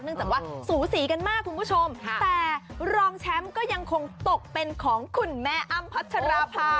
จากว่าสูสีกันมากคุณผู้ชมแต่รองแชมป์ก็ยังคงตกเป็นของคุณแม่อ้ำพัชราภา